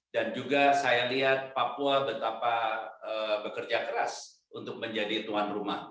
dan juga saya lihat papua betapa bekerja keras untuk menjadi tuan rumah